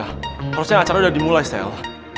harusnya acara udah dimulai style